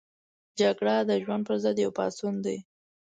جګړه د ژوند پر ضد یو پاڅون دی